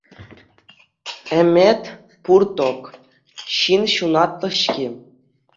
Ӗмӗт пур-тӑк – ҫын ҫунатлӑ-ҫке.